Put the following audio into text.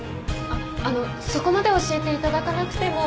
あっあのそこまで教えていただかなくても。